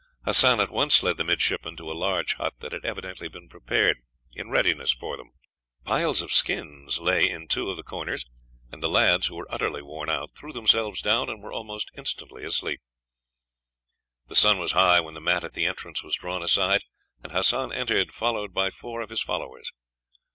Hassan at once led the midshipmen to a large hut that had evidently been prepared in readiness for them. Piles of skins lay in two of the corners, and the lads, who were utterly worn out, threw themselves down, and were almost instantly asleep. The sun was high when the mat at the entrance was drawn aside, and Hassan entered, followed by four of his followers.